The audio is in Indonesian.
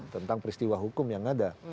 tentang peristiwa hukum yang ada